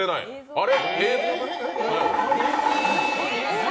あれ？